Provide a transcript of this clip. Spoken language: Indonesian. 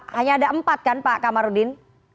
hanya ada empat kan pak kamarudin